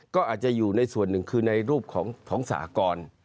ก็อาจจะอยู่ในส่วนหนึ่งคือในรูปของสหกร